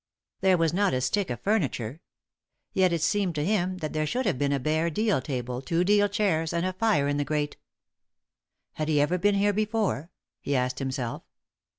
There was not a stick of furniture; yet it seemed to him that there should have been a bare deal table, two deal chairs, and a fire in the grate. "Had he ever been here before?" he asked himself.